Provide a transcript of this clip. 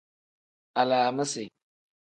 Alaamisi.